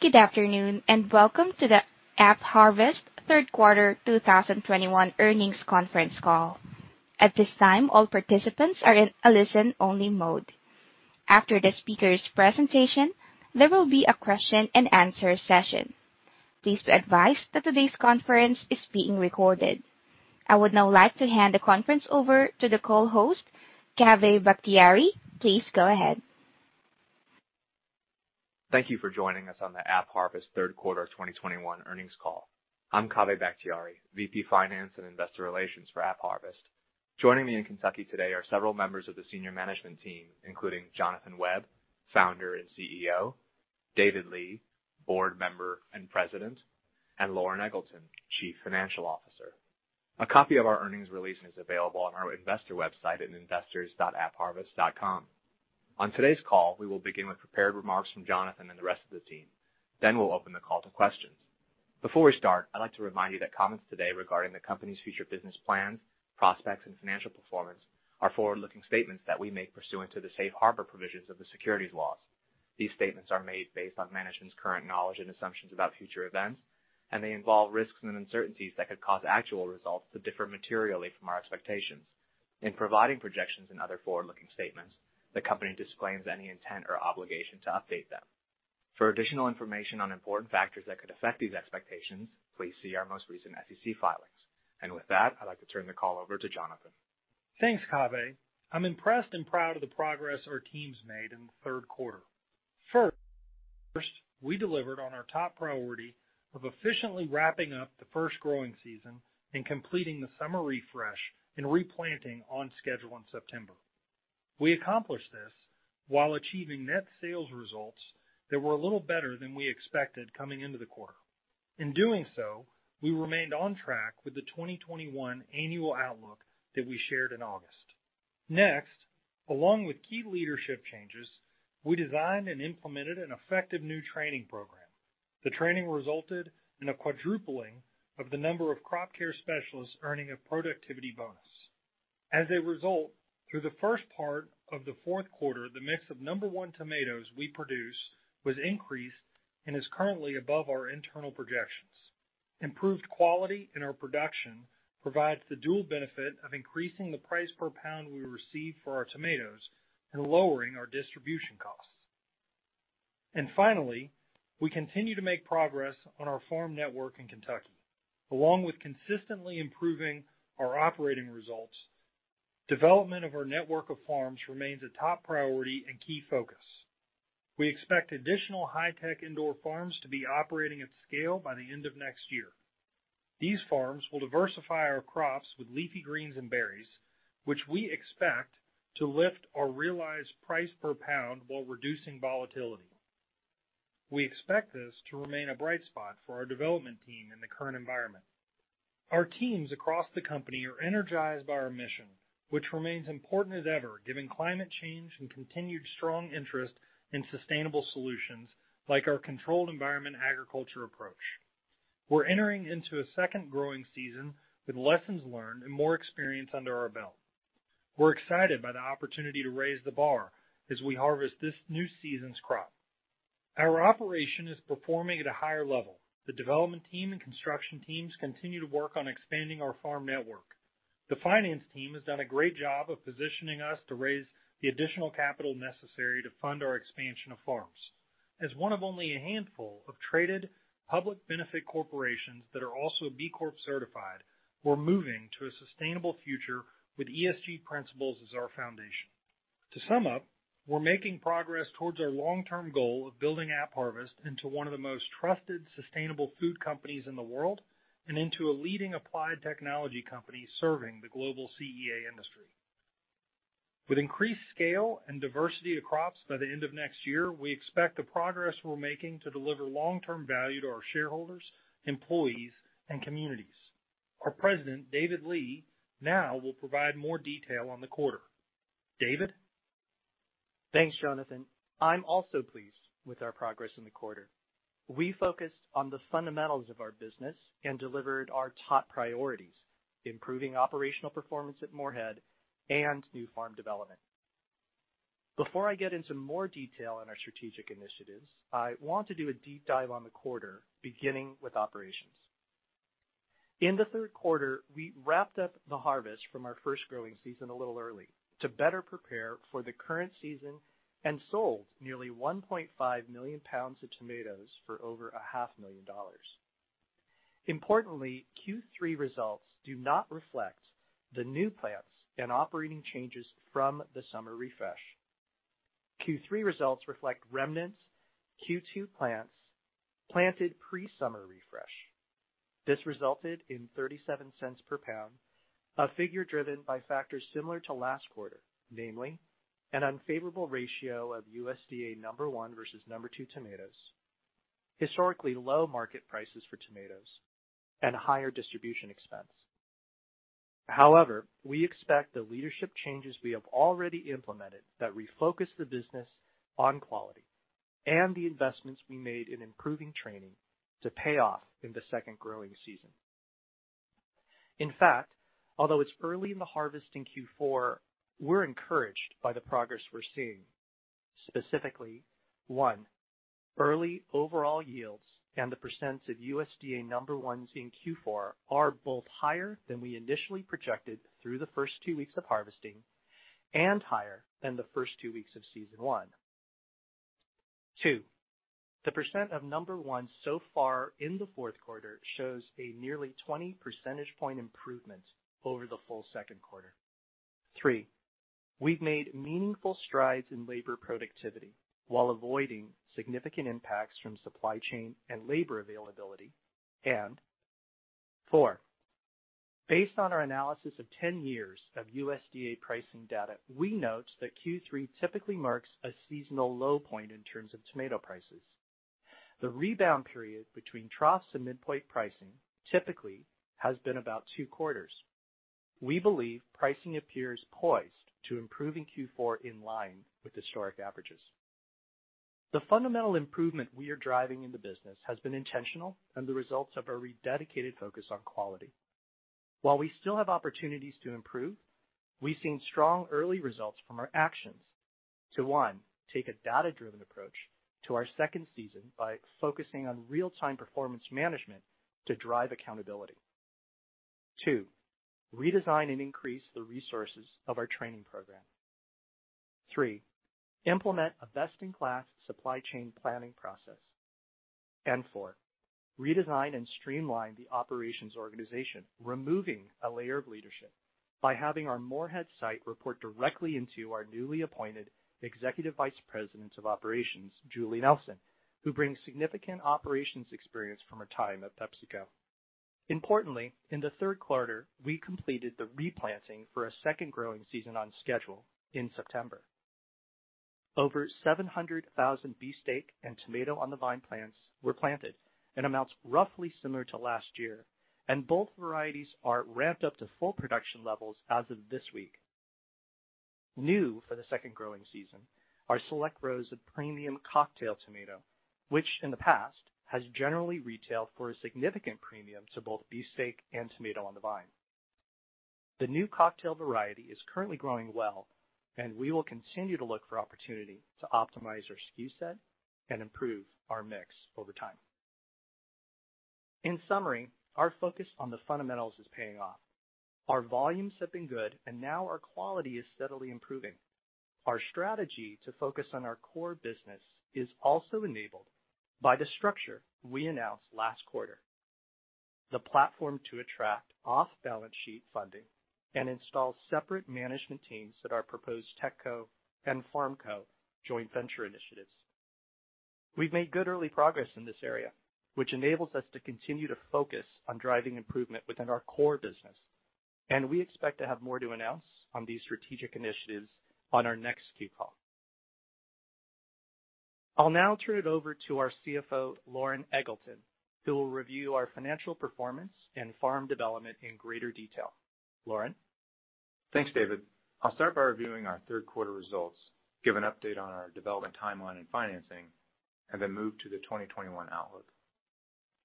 Good afternoon, and welcome to the AppHarvest Third Quarter 2021 Earnings Conference Call. At this time, all participants are in a listen-only mode. After the speaker's presentation, there will be a question-and-answer session. Please be advised that today's conference is being recorded. I would now like to hand the conference over to the call host, Kaveh Bakhtiari. Please go ahead. Thank you for joining us on the AppHarvest third quarter 2021 earnings call. I'm Kaveh Bakhtiari, VP Finance and Investor Relations for AppHarvest. Joining me in Kentucky today are several members of the senior management team, including Jonathan Webb, Founder and CEO, David Lee, Board Member and President, and Loren Eggleton, Chief Financial Officer. A copy of our earnings release is available on our investor website at investors.appharvest.com. On today's call, we will begin with prepared remarks from Jonathan and the rest of the team, then we'll open the call to questions. Before we start, I'd like to remind you that comments today regarding the company's future business plans, prospects, and financial performance are forward-looking statements that we make pursuant to the safe harbor provisions of the securities laws. These statements are made based on management's current knowledge and assumptions about future events, and they involve risks and uncertainties that could cause actual results to differ materially from our expectations. In providing projections and other forward-looking statements, the company disclaims any intent or obligation to update them. For additional information on important factors that could affect these expectations, please see our most recent SEC filings. With that, I'd like to turn the call over to Jonathan. Thanks, Kaveh. I'm impressed and proud of the progress our team's made in the third quarter. First, we delivered on our top priority of efficiently wrapping up the first growing season and completing the summer refresh and replanting on schedule in September. We accomplished this while achieving net sales results that were a little better than we expected coming into the quarter. In doing so, we remained on track with the 2021 annual outlook that we shared in August. Next, along with key leadership changes, we designed and implemented an effective new training program. The training resulted in a quadrupling of the number of crop care specialists earning a productivity bonus. As a result, through the first part of the fourth quarter, the mix of number one tomatoes we produce was increased and is currently above our internal projections. Improved quality in our production provides the dual benefit of increasing the price per pound we receive for our tomatoes and lowering our distribution costs. Finally, we continue to make progress on our farm network in Kentucky. Along with consistently improving our operating results, development of our network of farms remains a top priority and key focus. We expect additional high-tech indoor farms to be operating at scale by the end of next year. These farms will diversify our crops with leafy greens and berries, which we expect to lift our realized price per pound while reducing volatility. We expect this to remain a bright spot for our development team in the current environment. Our teams across the company are energized by our mission, which remains important as ever, given climate change and continued strong interest in sustainable solutions like our controlled environment agriculture approach. We're entering into a second growing season with lessons learned and more experience under our belt. We're excited by the opportunity to raise the bar as we harvest this new season's crop. Our operation is performing at a higher level. The development team and construction teams continue to work on expanding our farm network. The finance team has done a great job of positioning us to raise the additional capital necessary to fund our expansion of farms. As one of only a handful of traded public benefit corporations that are also B Corp certified, we're moving to a sustainable future with ESG principles as our foundation. To sum up, we're making progress towards our long-term goal of building AppHarvest into one of the most trusted, sustainable food companies in the world and into a leading applied technology company serving the global CEA industry. With increased scale and diversity of crops by the end of next year, we expect the progress we're making to deliver long-term value to our shareholders, employees, and communities. Our President, David Lee, now will provide more detail on the quarter. David? Thanks, Jonathan. I'm also pleased with our progress in the quarter. We focused on the fundamentals of our business and delivered our top priorities, improving operational performance at Morehead and new farm development. Before I get into more detail on our strategic initiatives, I want to do a deep dive on the quarter, beginning with operations. In the third quarter, we wrapped up the harvest from our first growing season a little early to better prepare for the current season and sold nearly 1.5 million pounds of tomatoes for over $0.5 million. Importantly, Q3 results do not reflect the new plants and operating changes from the summer refresh. Q3 results reflect remnants Q2 plants planted pre-summer refresh. This resulted in $0.37 per pound, a figure driven by factors similar to last quarter, namely an unfavorable ratio of USDA number one versus number two tomatoes, historically low market prices for tomatoes, and higher distribution expense. However, we expect the leadership changes we have already implemented that refocus the business on quality and the investments we made in improving training to pay off in the second growing season. In fact, although it's early in the harvest in Q4, we're encouraged by the progress we're seeing. Specifically, one, early overall yields and the percents of USDA number ones in Q4 are both higher than we initially projected through the first two weeks of harvesting and higher than the first two weeks of season one. Two, the percent of number one so far in the fourth quarter shows a nearly 20 percentage point improvement over the full second quarter. Three, we've made meaningful strides in labor productivity while avoiding significant impacts from supply chain and labor availability. Four, based on our analysis of 10 years of USDA pricing data, we note that Q3 typically marks a seasonal low point in terms of tomato prices. The rebound period between troughs and midpoint pricing typically has been about two quarters. We believe pricing appears poised to improve in Q4 in line with historic averages. The fundamental improvement we are driving in the business has been intentional and the results of our rededicated focus on quality. While we still have opportunities to improve, we've seen strong early results from our actions to- one, take a data-driven approach to our second season by focusing on real-time performance management to drive accountability. Two, redesign and increase the resources of our training program. Three, implement a best-in-class supply chain planning process. Four, redesign and streamline the operations organization, removing a layer of leadership by having our Morehead site report directly into our newly appointed Executive Vice President of Operations, Julie Nelson, who brings significant operations experience from her time at PepsiCo. Importantly, in the third quarter, we completed the replanting for a second growing season on schedule in September. Over 700,000 beefsteak and tomato on the vine plants were planted in amounts roughly similar to last year, and both varieties are ramped up to full production levels as of this week. New for the second growing season are select rows of premium cocktail tomato, which in the past has generally retailed for a significant premium to both beefsteak and tomato on the vine. The new cocktail variety is currently growing well, and we will continue to look for opportunity to optimize our SKU set and improve our mix over time. In summary, our focus on the fundamentals is paying off. Our volumes have been good, and now our quality is steadily improving. Our strategy to focus on our core business is also enabled by the structure we announced last quarter, the platform to attract off-balance sheet funding and install separate management teams at our proposed TechCo and FarmCo joint venture initiatives. We've made good early progress in this area, which enables us to continue to focus on driving improvement within our core business, and we expect to have more to announce on these strategic initiatives on our next Q call. I'll now turn it over to our CFO, Loren Eggleton, who will review our financial performance and farm development in greater detail. Loren? Thanks, David. I'll start by reviewing our third quarter results, give an update on our development timeline and financing, and then move to the 2021 outlook.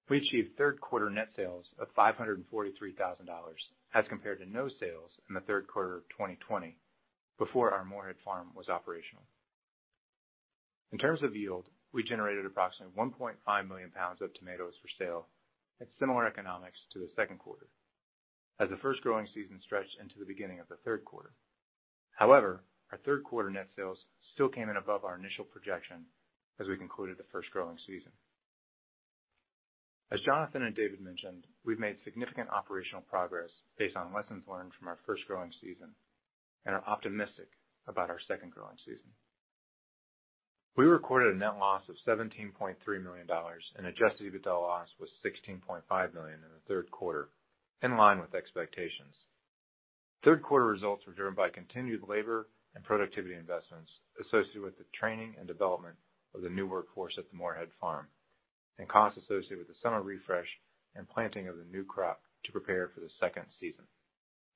We achieved third quarter net sales of $543,000 as compared to no sales in the third quarter of 2020 before our Morehead farm was operational. In terms of yield, we generated approximately 1.5 million pounds of tomatoes for sale at similar economics to the second quarter as the first growing season stretched into the beginning of the third quarter. However, our third quarter net sales still came in above our initial projection as we concluded the first growing season. As Jonathan and David mentioned, we've made significant operational progress based on lessons learned from our first growing season and are optimistic about our second growing season. We recorded a net loss of $17.3 million, an Adjusted EBITDA loss was $16.5 million in the third quarter, in line with expectations. Third quarter results were driven by continued labor and productivity investments associated with the training and development of the new workforce at the Morehead Farm, and costs associated with the summer refresh and planting of the new crop to prepare for the second season.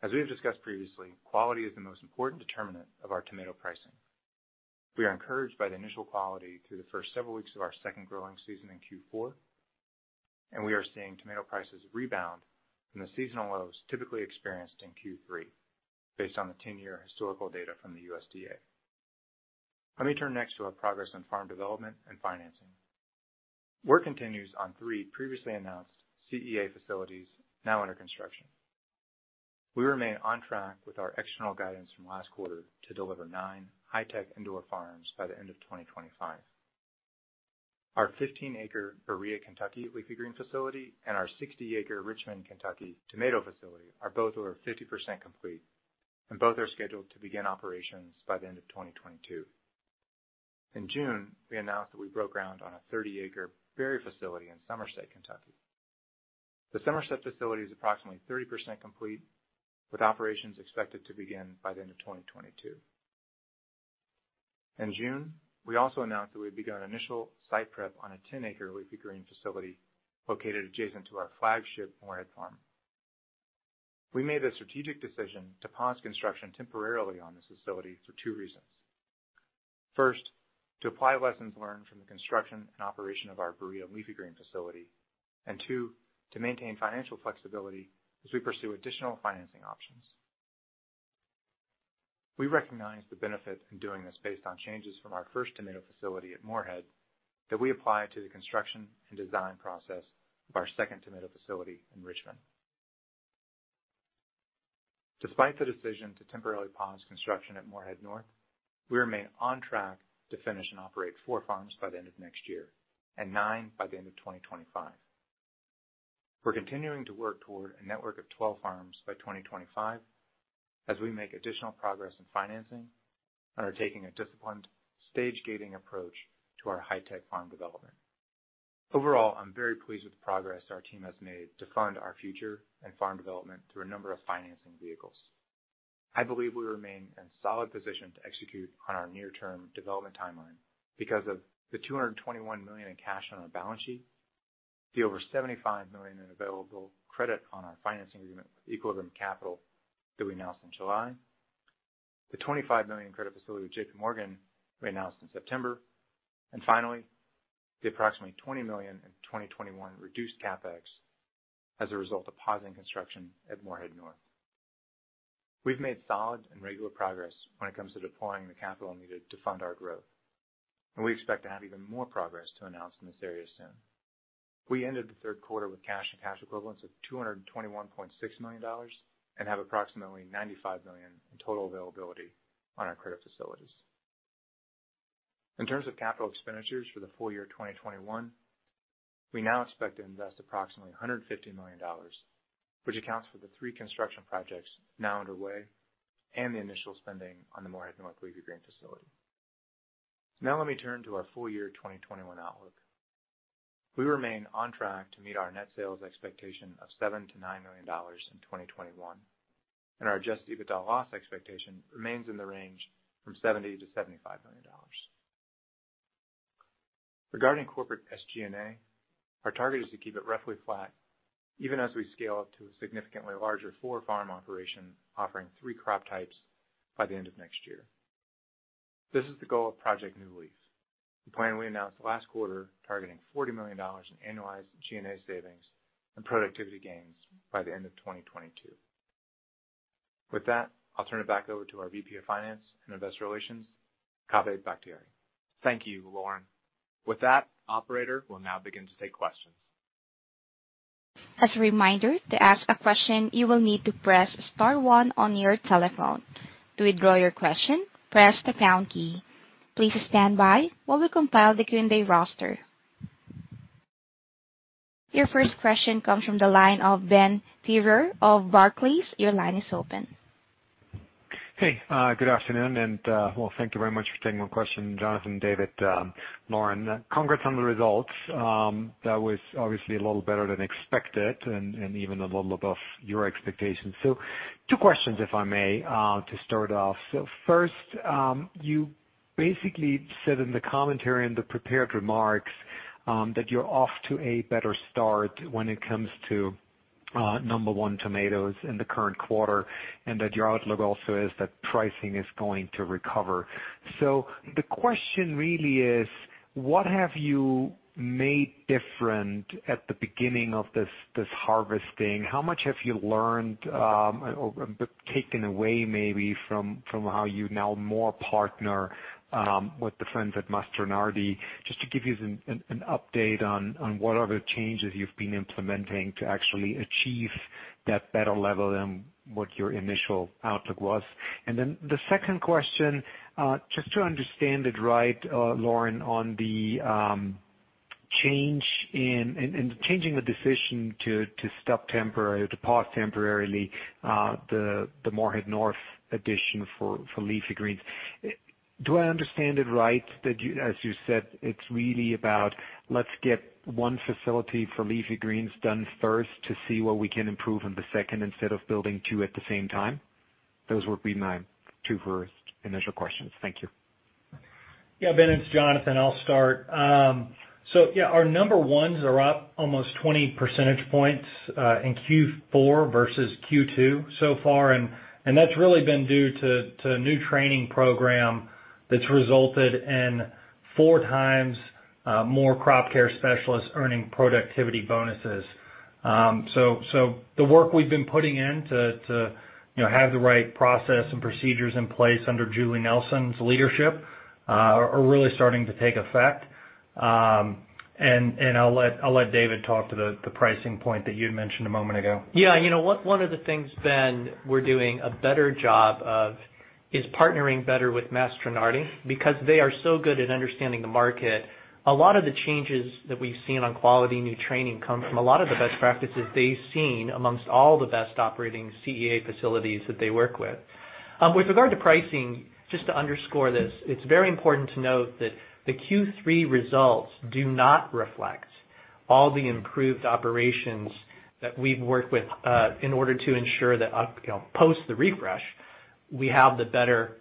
As we have discussed previously, quality is the most important determinant of our tomato pricing. We are encouraged by the initial quality through the first several weeks of our second growing season in Q4, and we are seeing tomato prices rebound from the seasonal lows typically experienced in Q3 based on the 10-year historical data from the USDA. Let me turn next to our progress on farm development and financing. Work continues on three previously announced CEA facilities now under construction. We remain on track with our external guidance from last quarter to deliver nine high-tech indoor farms by the end of 2025. Our 15-acre Berea, Kentucky leafy green facility and our 60-acre Richmond, Kentucky tomato facility are both over 50% complete and both are scheduled to begin operations by the end of 2022. In June, we announced that we broke ground on a 30-acre berry facility in Somerset, Kentucky. The Somerset facility is approximately 30% complete, with operations expected to begin by the end of 2022. In June, we also announced that we had begun initial site prep on a 10-acre leafy green facility located adjacent to our flagship Morehead farm. We made the strategic decision to pause construction temporarily on this facility for two reasons. First, to apply lessons learned from the construction and operation of our Berea leafy green facility. Two, to maintain financial flexibility as we pursue additional financing options. We recognize the benefit in doing this based on changes from our first tomato facility at Morehead that we apply to the construction and design process of our second tomato facility in Richmond. Despite the decision to temporarily pause construction at Morehead North, we remain on track to finish and operate four farms by the end of next year, and nine by the end of 2025. We're continuing to work toward a network of 12 farms by 2025 as we make additional progress in financing and are taking a disciplined stage-gating approach to our high-tech farm development. Overall, I'm very pleased with the progress our team has made to fund our future and farm development through a number of financing vehicles. I believe we remain in solid position to execute on our near-term development timeline because of the $221 million in cash on our balance sheet, the over $75 million in available credit on our financing agreement with Equilibrium Capital that we announced in July, the $25 million credit facility with J.P. Morgan we announced in September, and finally, the approximately $20 million in 2021 reduced CapEx as a result of pausing construction at Morehead North. We've made solid and regular progress when it comes to deploying the capital needed to fund our growth, and we expect to have even more progress to announce in this area soon. We ended the third quarter with cash and cash equivalents of $221.6 million, and have approximately $95 million in total availability on our credit facilities. In terms of capital expenditures for the full year 2021, we now expect to invest approximately $150 million, which accounts for the three construction projects now underway and the initial spending on the Morehead North leafy green facility. Now let me turn to our full year 2021 outlook. We remain on track to meet our net sales expectation of $7 million-$9 million in 2021, and our Adjusted EBITDA loss expectation remains in the range from $70 million-$75 million. Regarding corporate SG&A, our target is to keep it roughly flat even as we scale up to a significantly larger four-farm operation offering three crop types by the end of next year. This is the goal of Project New Leaf, the plan we announced last quarter targeting $40 million in annualized G&A savings and productivity gains by the end of 2022. With that, I'll turn it back over to our VP of Finance and Investor Relations, Kaveh Bakhtiari. Thank you, Loren. With that, operator, we'll now begin to take questions. As a reminder, to ask a question, you will need to press star one on your telephone. To withdraw your question, press the pound key. Please stand by while we compile the Q&A roster. Your first question comes from the line of Ben Theurer of Barclays. Your line is open. Hey, good afternoon, well, thank you very much for taking my question, Jonathan, David, Loren. Congrats on the results. That was obviously a little better than expected and even a little above your expectations. Two questions, if I may, to start off. First, you basically said in the commentary and the prepared remarks, that you're off to a better start when it comes to number one tomatoes in the current quarter, and that your outlook also is that pricing is going to recover. The question really is, what have you made different at the beginning of this harvesting? How much have you learned, or taken away maybe from how you partner more now with the friends at Mastronardi, just to give you an update on what are the changes you've been implementing to actually achieve that better level than what your initial outlook was? The second question, just to understand it right, Loren, on the change in the decision to pause temporarily the Morehead North addition for leafy greens. Do I understand it right that you, as you said, it's really about let's get one facility for leafy greens done first to see what we can improve in the second instead of building two at the same time? Those would be my two first initial questions. Thank you. Yeah, Ben, it's Jonathan. I'll start. Yeah, our number ones are up almost 20 percentage points in Q4 versus Q2 so far, and that's really been due to a new training program that's resulted in four times more crop care specialists earning productivity bonuses. The work we've been putting in to you know, have the right process and procedures in place under Julie Nelson's leadership are really starting to take effect. I'll let David talk to the pricing point that you had mentioned a moment ago. Yeah. You know what? One of the things, Ben, we're doing a better job of is partnering better with Mastronardi because they are so good at understanding the market. A lot of the changes that we've seen on quality and new training come from a lot of the best practices they've seen amongst all the best operating CEA facilities that they work with. With regard to pricing, just to underscore this, it's very important to note that the Q3 results do not reflect all the improved operations that we've worked with, in order to ensure that, you know, post the refresh, we have the better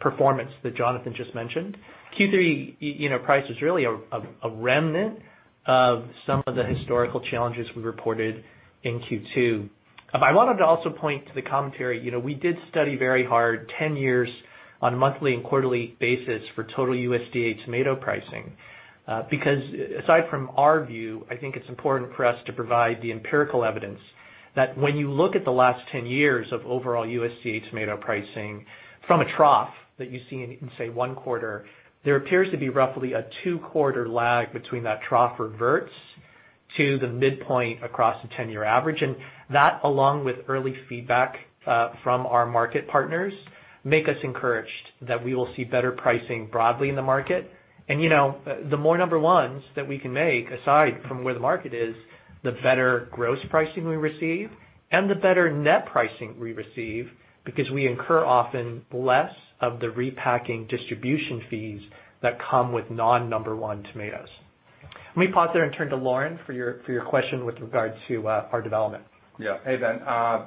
performance that Jonathan just mentioned. Q3, you know, price is really a remnant of some of the historical challenges we reported in Q2. I wanted to also point to the commentary. You know, we did study very hard 10 years on a monthly and quarterly basis for total USDA tomato pricing. Because aside from our view, I think it's important for us to provide the empirical evidence that when you look at the last 10 years of overall USDA tomato pricing from a trough that you see in, say, one quarter, there appears to be roughly a two-quarter lag between that trough reverts to the midpoint across the 10-year average. That, along with early feedback from our market partners, make us encouraged that we will see better pricing broadly in the market. You know, the more number ones that we can make aside from where the market is, the better gross pricing we receive and the better net pricing we receive, because we incur often less of the repacking distribution fees that come with non-number one tomatoes. Let me pause there and turn to Loren for your question with regard to our development. Yeah. Hey, Ben. I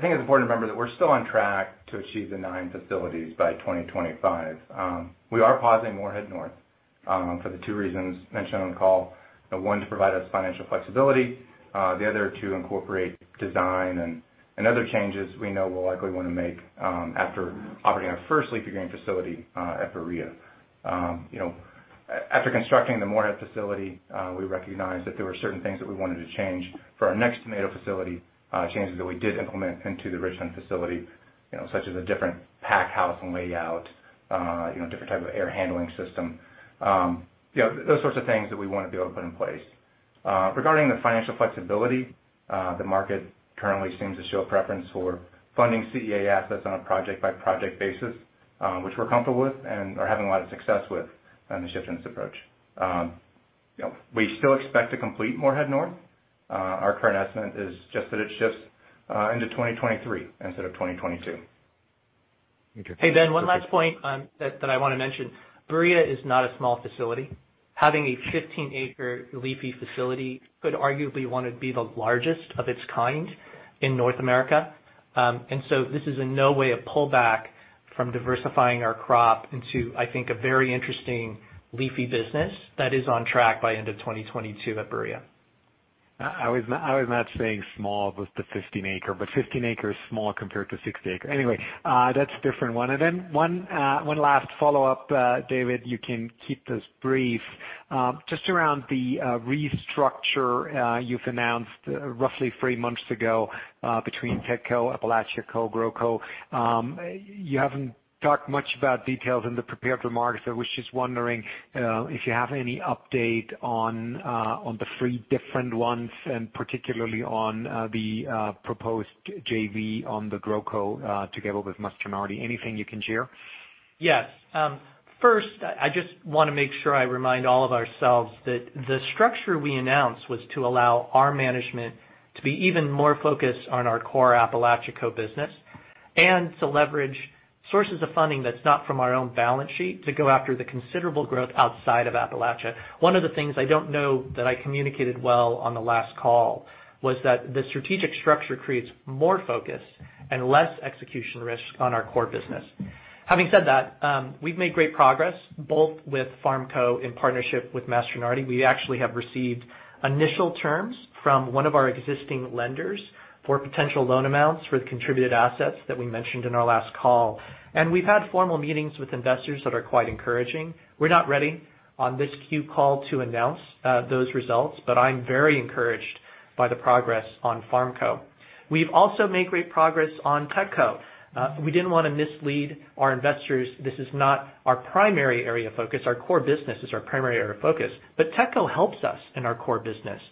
think it's important to remember that we're still on track to achieve the nine facilities by 2025. We are pausing Morehead North for the two reasons mentioned on the call. One, to provide us financial flexibility, the other to incorporate design and other changes we know we'll likely want to make, after operating our first leafy green facility at Berea. You know, after constructing the Morehead facility, we recognized that there were certain things that we wanted to change for our next tomato facility, changes that we did implement into the Richmond facility, you know, such as a different pack house and layout, you know, different type of air handling system. Those sorts of things that we want to be able to put in place. Regarding the financial flexibility, the market currently seems to show a preference for funding CEA assets on a project-by-project basis, which we're comfortable with and are having a lot of success with the shift in this approach. You know, we still expect to complete Morehead North. Our current estimate is just that it shifts into 2023 instead of 2022. Hey, Ben, one last point that I want to mention. Berea is not a small facility. Having a 15-acre leafy facility could arguably be the largest of its kind in North America. This is in no way a pullback from diversifying our crop into, I think, a very interesting leafy business that is on track by end of 2022 at Berea. I was not saying small with the 15-acre, but 15 acres is small compared to 60 acres. Anyway, that's a different one. One last follow-up, David, you can keep this brief. Just around the restructure you've announced roughly three months ago between TechCo, AppalachiaCo, GrowCo. You haven't talked much about details in the prepared remarks. I was just wondering if you have any update on the three different ones, and particularly on the proposed JV on the GrowCo together with Mastronardi. Anything you can share? Yes. First, I just want to make sure I remind all of ourselves that the structure we announced was to allow our management to be even more focused on our core AppalachiaCo business and to leverage sources of funding that's not from our own balance sheet to go after the considerable growth outside of Appalachia. One of the things I don't know that I communicated well on the last call was that the strategic structure creates more focus and less execution risk on our core business. Having said that, we've made great progress, both with FarmCo in partnership with Mastronardi. We actually have received initial terms from one of our existing lenders for potential loan amounts for the contributed assets that we mentioned in our last call. We've had formal meetings with investors that are quite encouraging. We're not ready on this Q call to announce those results, but I'm very encouraged by the progress on FarmCo. We've also made great progress on TechCo. We didn't want to mislead our investors. This is not our primary area of focus. Our core business is our primary area of focus. TechCo helps us in our core business.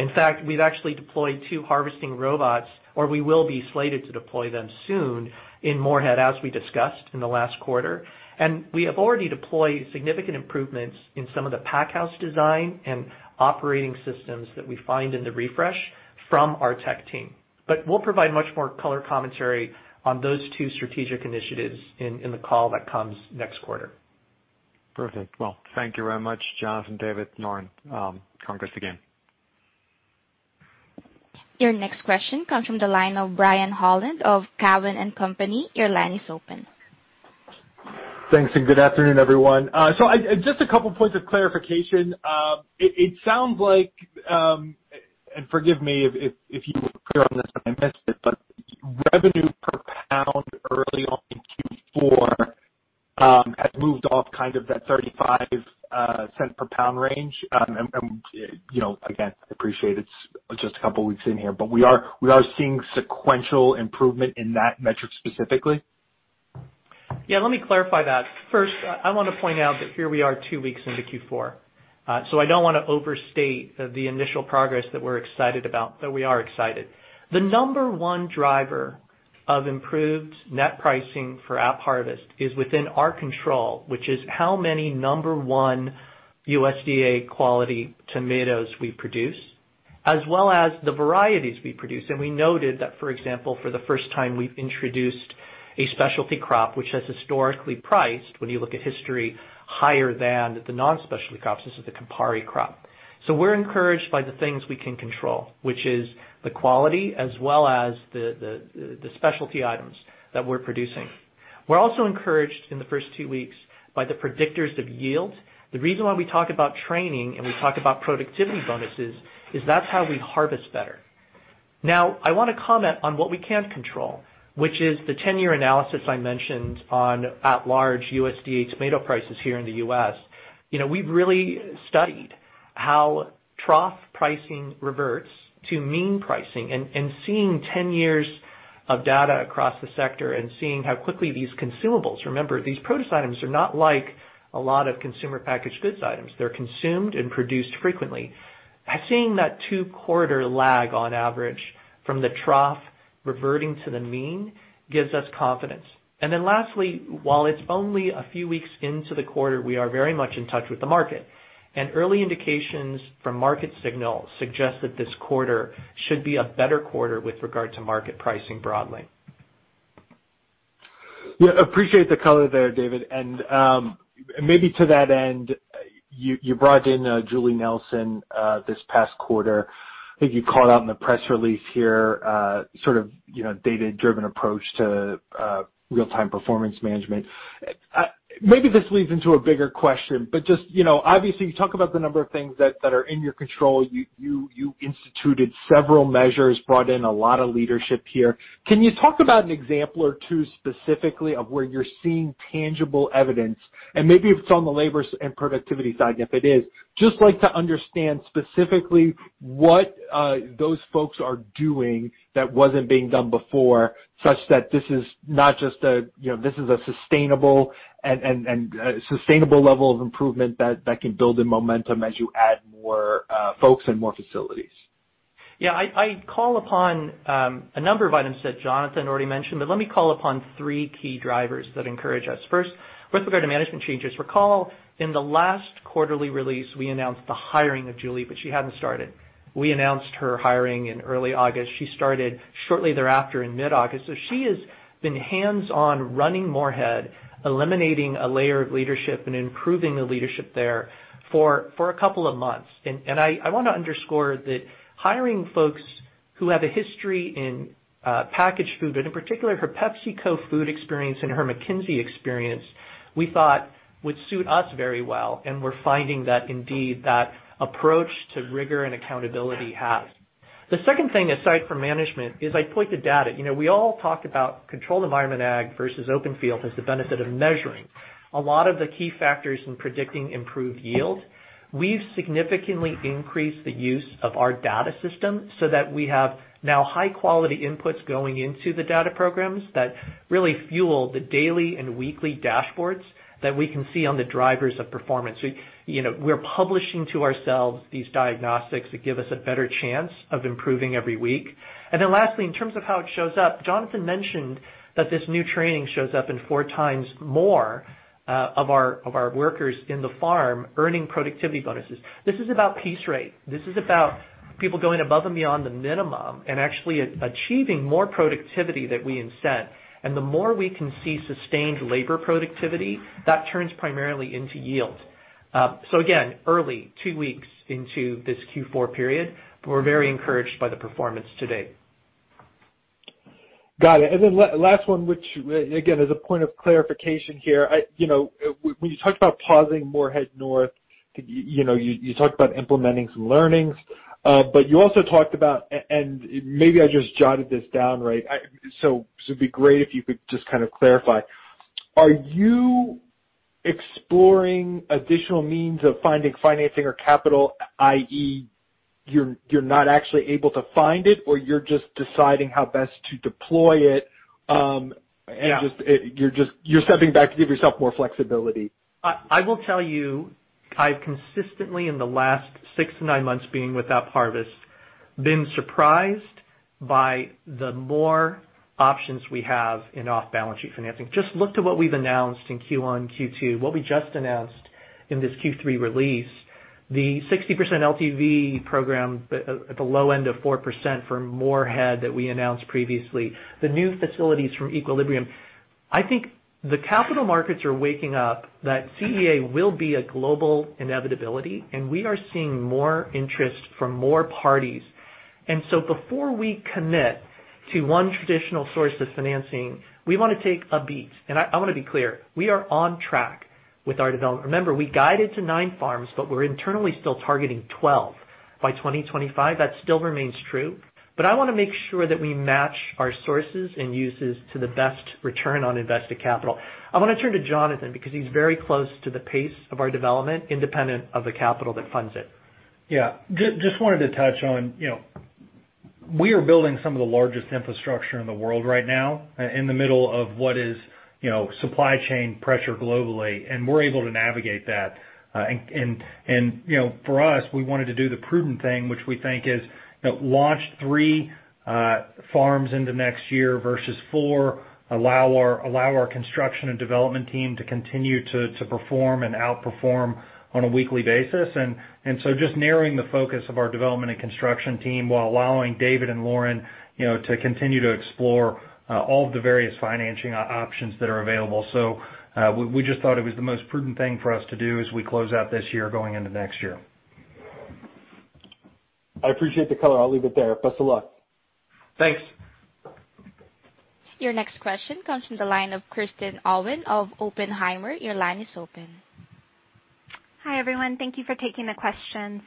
In fact, we've actually deployed two harvesting robots, or we will be slated to deploy them soon in Morehead, as we discussed in the last quarter. We have already deployed significant improvements in some of the pack house design and operating systems that we find in the refresh from our tech team. We'll provide much more color commentary on those two strategic initiatives in the call that comes next quarter. Perfect. Well, thank you very much, Jonathan, David, Loren. Congrats again. Your next question comes from the line of Brian Holland of Cowen and Company. Your line is open. Thanks. Good afternoon, everyone. Just a couple of points of clarification. It sounds like, and forgive me if you were clear on this and I missed it, but revenue per pound early on in Q4 has moved off kind of that $0.35-per-pound range. And you know, again, I appreciate it's just a couple of weeks in here, but we are seeing sequential improvement in that metric specifically. Yeah, let me clarify that. First, I want to point out that here we are two weeks into Q4. So I don't want to overstate the initial progress that we're excited about, but we are excited. The number one driver of improved net pricing for AppHarvest is within our control, which is how many number one USDA quality tomatoes we produce, as well as the varieties we produce. We noted that, for example, for the first time, we've introduced a specialty crop which has historically priced, when you look at history, higher than the non-specialty crops. This is the Campari crop. We're encouraged by the things we can control, which is the quality as well as the specialty items that we're producing. We're also encouraged in the first two weeks by the predictors of yield. The reason why we talk about training and we talk about productivity bonuses is that's how we harvest better. Now, I wanna comment on what we can control, which is the 10-year analysis I mentioned on aggregate USDA tomato prices here in the U.S. You know, we've really studied how trough pricing reverts to mean pricing and seeing 10 years of data across the sector and seeing how quickly these consumables. Remember, these produce items are not like a lot of consumer packaged goods items. They're consumed and produced frequently. By seeing that two-quarter lag on average from the trough reverting to the mean gives us confidence. Lastly, while it's only a few weeks into the quarter, we are very much in touch with the market. Early indications from market signals suggest that this quarter should be a better quarter with regard to market pricing broadly. Yeah, appreciate the color there, David. Maybe to that end, you brought in Julie Nelson this past quarter. I think you called out in the press release here sort of, you know, data-driven approach to real-time performance management. Maybe this leads into a bigger question, but just, you know, obviously, you talk about the number of things that are in your control. You instituted several measures, brought in a lot of leadership here. Can you talk about an example or two specifically of where you're seeing tangible evidence? Maybe if it's on the labor side and productivity side, if it is, I'd just like to understand specifically what those folks are doing that wasn't being done before, such that this is not just a, you know, this is a sustainable and sustainable level of improvement that can build in momentum as you add more folks and more facilities. Yeah, I call upon a number of items that Jonathan already mentioned, but let me call upon three key drivers that encourage us. First, with regard to management changes, recall in the last quarterly release, we announced the hiring of Julie, but she hadn't started. We announced her hiring in early August. She started shortly thereafter in mid-August. So she has been hands-on running Morehead, eliminating a layer of leadership and improving the leadership there for a couple of months. I wanna underscore that hiring folks who have a history in packaged food, and in particular, her PepsiCo food experience and her McKinsey experience, we thought would suit us very well, and we're finding that indeed, that approach to rigor and accountability has. The second thing aside from management is I point to data. You know, we all talk about controlled environment ag versus open field has the benefit of measuring a lot of the key factors in predicting improved yield. We've significantly increased the use of our data system so that we have now high quality inputs going into the data programs that really fuel the daily and weekly dashboards that we can see on the drivers of performance. You know, we're publishing to ourselves these diagnostics that give us a better chance of improving every week. Then lastly, in terms of how it shows up, Jonathan mentioned that this new training shows up in four times more of our workers in the farm earning productivity bonuses. This is about piece rate. This is about people going above and beyond the minimum and actually achieving more productivity that we incent. The more we can see sustained labor productivity, that turns primarily into yield. Again, early, two weeks into this Q4 period, but we're very encouraged by the performance-to-date. Got it. Last one, which, again, as a point of clarification here. You know, when you talked about pausing Morehead North, you know, you talked about implementing some learnings, but you also talked about and maybe I just jotted this down, right, so it'd be great if you could just kind of clarify. Are you exploring additional means of finding financing or capital, i.e., you're not actually able to find it, or you're just deciding how best to deploy it? Yeah. Just, you're just stepping back to give yourself more flexibility. I will tell you, I've consistently in the last six to nine months being with AppHarvest, been surprised by the more options we have in off-balance sheet financing. Just look to what we've announced in Q1, Q2, what we just announced in this Q3 release, the 60% LTV program, at the low end of 4% for Morehead that we announced previously, the new facilities from Equilibrium. I think the capital markets are waking up that CEA will be a global inevitability, and we are seeing more interest from more parties. Before we commit to one traditional source of financing, we wanna take a beat. I wanna be clear, we are on track with our development. Remember, we guided to nine farms, but we're internally still targeting 12 by 2025. That still remains true. I wanna make sure that we match our sources and uses to the best return on invested capital. I wanna turn to Jonathan because he's very close to the pace of our development, independent of the capital that funds it. Yeah. Just wanted to touch on, you know, we are building some of the largest infrastructure in the world right now in the middle of what is, you know, supply chain pressure globally, and we're able to navigate that. You know, for us, we wanted to do the prudent thing, which we think is, you know, launch three farms into next year versus four, allow our construction and development team to continue to perform and outperform on a weekly basis. Just narrowing the focus of our development and construction team while allowing David and Loren, you know, to continue to explore all of the various financing options that are available. We just thought it was the most prudent thing for us to do as we close out this year going into next year. I appreciate the color. I'll leave it there. Best of luck. Thanks. Your next question comes from the line of Kristen Owen of Oppenheimer. Your line is open. Hi, everyone. Thank you for taking the questions.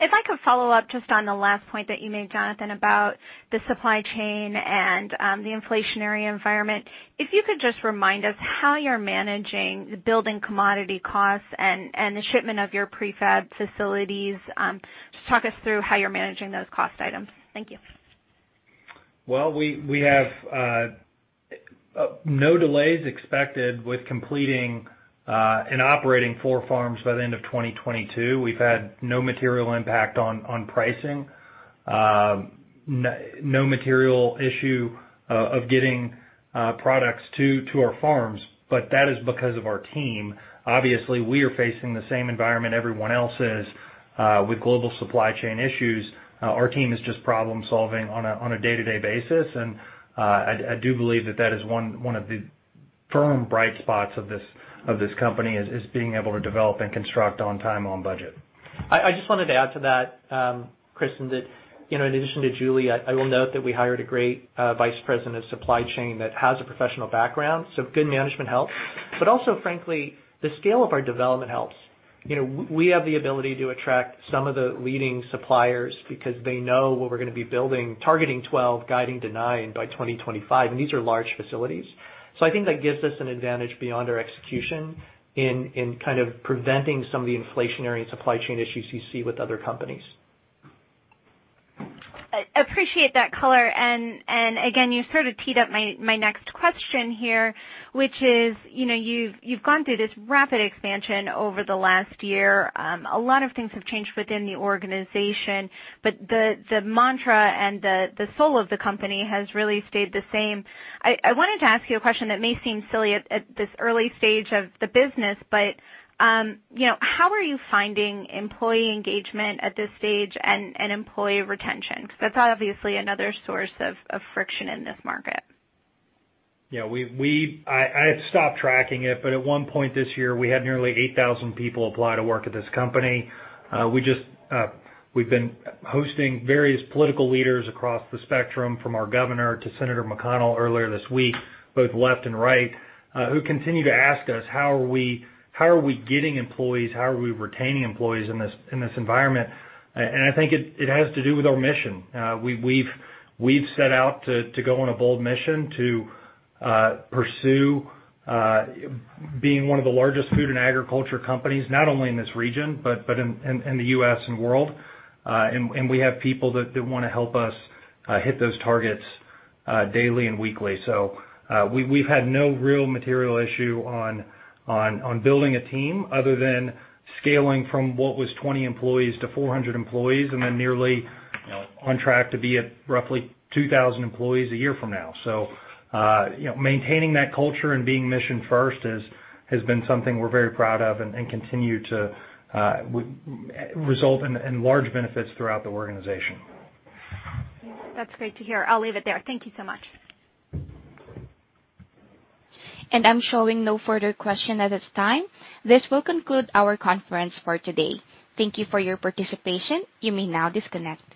If I could follow up just on the last point that you made, Jonathan, about the supply chain and the inflationary environment. If you could just remind us how you're managing the building commodity costs and the shipment of your prefab facilities, just talk us through how you're managing those cost items. Thank you. Well, we have no delays expected with completing and operating four farms by the end of 2022. We've had no material impact on pricing. No material issue of getting products to our farms, but that is because of our team. Obviously, we are facing the same environment everyone else is with global supply chain issues. Our team is just problem-solving on a day-to-day basis. I do believe that that is one of the firm bright spots of this company, is being able to develop and construct on time, on budget. I just wanted to add to that, Kristen, that, you know, in addition to Julie, I will note that we hired a great vice president of supply chain that has a professional background, so good management helps. Also, frankly, the scale of our development helps. You know, we have the ability to attract some of the leading suppliers because they know what we're gonna be building, targeting 12, guiding to nine by 2025, and these are large facilities. I think that gives us an advantage beyond our execution in kind of preventing some of the inflationary supply chain issues you see with other companies. I appreciate that color. Again, you sort of teed up my next question here, which is, you know, you've gone through this rapid expansion over the last year. A lot of things have changed within the organization, but the mantra and the soul of the company has really stayed the same. I wanted to ask you a question that may seem silly at this early stage of the business, but, you know, how are you finding employee engagement at this stage and employee retention? Because that's obviously another source of friction in this market. I stopped tracking it, but at one point this year, we had nearly 8,000 people apply to work at this company. We've been hosting various political leaders across the spectrum, from our governor to Senator McConnell earlier this week, both left and right, who continue to ask us, "How are we getting employees, how are we retaining employees in this environment?" I think it has to do with our mission. We've set out to go on a bold mission to pursue being one of the largest food and agriculture companies, not only in this region, but in the U.S. and world. We have people that wanna help us hit those targets daily and weekly. We've had no real material issue on building a team other than scaling from what was 20 employees to 400 employees, and then nearly, you know, on track to be at roughly 2,000 employees a year from now. You know, maintaining that culture and being mission first has been something we're very proud of and continue to result in large benefits throughout the organization. That's great to hear. I'll leave it there. Thank you so much. I'm showing no further questions at this time. This will conclude our conference for today. Thank you for your participation. You may now disconnect.